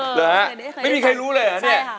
เหรอฮะไม่มีใครรู้เลยเหรอเนี่ย